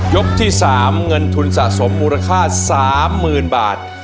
ยกที่สามเงินทุนสะสมมูลค่าสามหมื่นบาท